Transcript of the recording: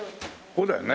そうだよね。